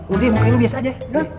udah makanya lu biasa aja